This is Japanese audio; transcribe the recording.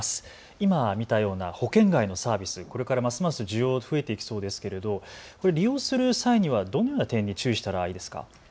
今、見たような保険外のサービス、これからますます需要が増えていきそうですが、利用する際にはどんな点に注意したらいいですか。